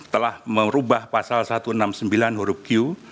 telah merubah pasal satu ratus enam puluh sembilan huruf q